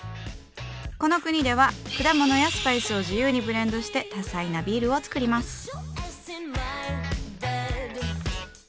この国では果物やスパイスを自由にブレンドして多彩なビールを作ります。